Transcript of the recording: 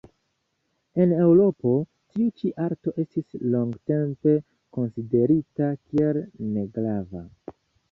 En Eŭropo, tiu ĉi arto estis longtempe konsiderita kiel negrava.